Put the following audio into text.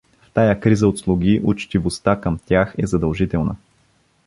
В тая криза от слуги учтивостта към тях е задължителна.